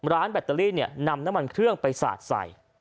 ร้านแบตเตอรี่เนี่ยนำน้ำมันเครื่องไปสระใส่